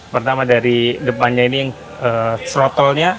pertama dari depannya ini throttle nya